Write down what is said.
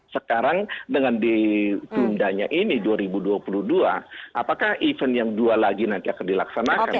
sekarang dengan ditundanya ini dua ribu dua puluh dua apakah event yang dua lagi nanti akan dilaksanakan